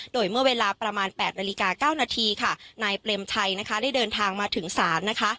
โดยเมื่อเวลาประมาณ๘นาฬิกา๙นาทีค่ะนายเปรมชัยนะคะได้เดินทางมาถึงศาลนะคะ